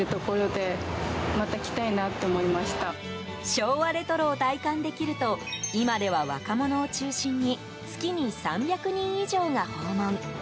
昭和レトロを体感できると今では若者を中心に月に３００人以上が訪問。